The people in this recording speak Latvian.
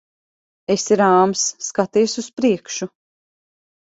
Esi rāms. Skaties uz priekšu.